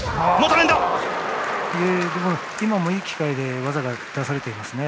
今もいい機会で技が出されていますね。